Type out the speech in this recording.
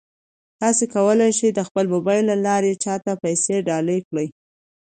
تاسو کولای شئ د خپل موبایل له لارې چا ته پیسې ډالۍ کړئ.